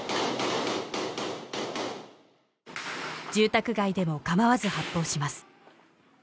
住宅街でも構わず発砲します